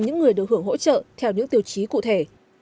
những người được hưởng hỗ trợ theo những tiêu chí cụ thể